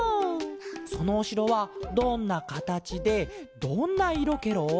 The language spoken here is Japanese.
そのおしろはどんなかたちでどんないろケロ？